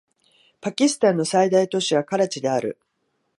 パキスタンの最大都市はカラチである